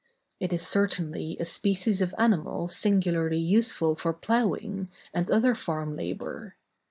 It is certainly a species of animal singularly useful for ploughing, and other farm labor.